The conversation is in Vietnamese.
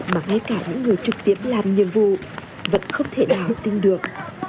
mà ngay cả những người trực tiếp làm nhiệm vụ vẫn không thể nào tin được